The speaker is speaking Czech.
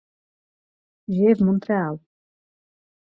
Žije v Montréalu.